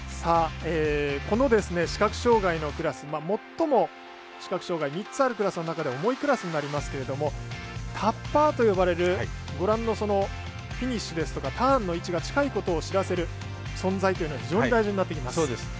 この視覚障がいのクラス最も視覚障がい３つあるクラスの中では重いクラスになりますけれどもタッパーと呼ばれるご覧のフィニッシュですとかターンの位置が近いことを知らせる存在というのが非常に大事なってきます。